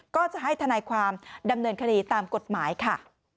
ก็จะให้ทนายความดำเนินคดีตามกฎหมายค่ะ